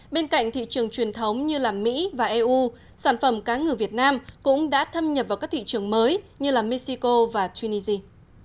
bên cạnh thị trường truyền thống như mỹ và eu sản phẩm cá ngừ việt nam cũng đã thâm nhập vào các thị trường mới như mexico và tunisia